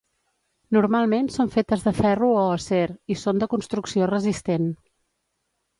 Normalment són fetes de ferro o acer i són de construcció resistent.